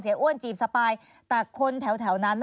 อ้วนจีบสปายแต่คนแถวนั้น